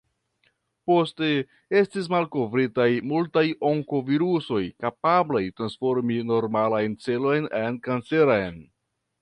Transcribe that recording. Poste estis malkovritaj multaj onkovirusoj, kapablaj transformi normalan ĉelon en kanceran.